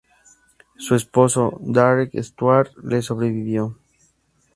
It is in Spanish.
Su esposo, Darrell Stuart, le sobrevivió.